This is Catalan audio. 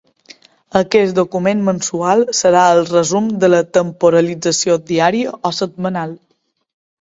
Aquest document mensual serà el resum de la temporalització diària o setmanal.